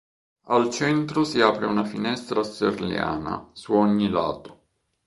Al centro si apre una finestra a serliana su ogni lato.